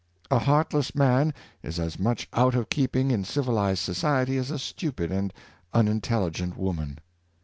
A heartless man is as much out of keeping in civilized society as a stupid and unintelligent woman.